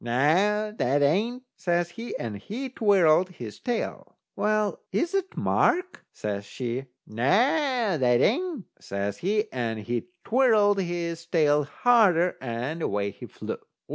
"Noo, that ain't," says he, and he twirled his tail. "Well, is that Mark?" says she. "Noo, that ain't," says he, and he twirled his tail harder, and away he flew.